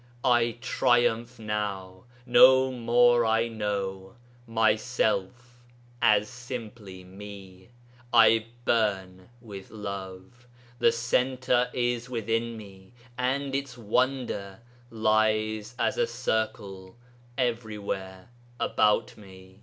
I triumph now; no more I know Myself as simply me. I burn with love. The centre is within me, and its wonder Lies as a circle everywhere about me.